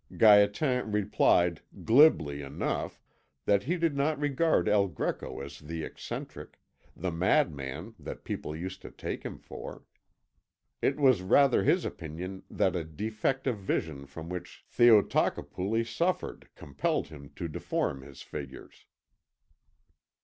Gaétan replied, glibly enough, that he did not regard El Greco as the eccentric, the madman that people used to take him for. It was rather his opinion that a defect of vision from which Theotocopuli suffered compelled him to deform his figures.